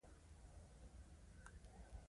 د اولیګارشۍ د اوسپنیز قانون پېژندل ګران کار دی.